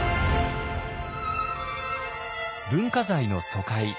文化財の疎開。